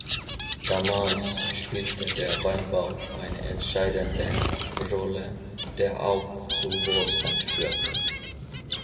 Damals spielte der Weinbau eine entscheidende Rolle, der auch zu Wohlstand führte.